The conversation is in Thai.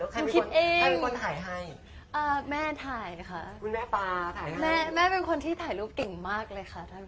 ใครเป็นคนถ่ายให้แม่ถ่ายค่ะแม่เป็นคนที่ถ่ายรูปเก่งมากเลยค่ะท่านผู้ชม